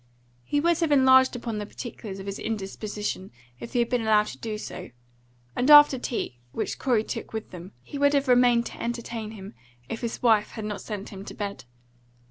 He would have enlarged upon the particulars of his indisposition if he had been allowed to do so; and after tea, which Corey took with them, he would have remained to entertain him if his wife had not sent him to bed.